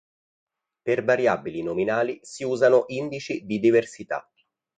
Per variabili nominali si usano indici di diversità.